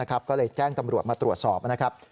ก็เลยแจ้งตำรวจมาตรวจสอบ